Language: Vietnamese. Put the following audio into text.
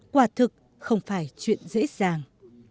quả thực không phải chuyện dễ dàng